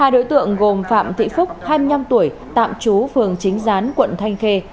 ba đối tượng gồm phạm thị phúc hai mươi năm tuổi tạm trú phường chính gián quận thanh khê